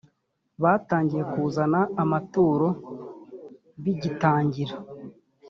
batangiye kuzana amaturo bigitangira